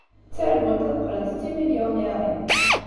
Ttargunt ad qqlent d timilyuniṛin.